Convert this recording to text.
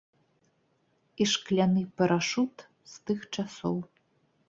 І шкляны парашут з тых часоў.